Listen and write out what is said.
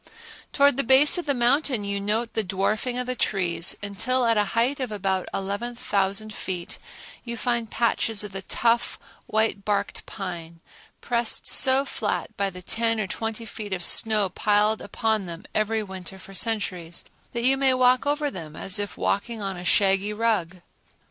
Towards the base of the mountain you note the dwarfing of the trees, until at a height of about 11,000 feet you find patches of the tough, white barked pine, pressed so flat by the ten or twenty feet of snow piled upon them every winter for centuries that you may walk over them as if walking on a shaggy rug.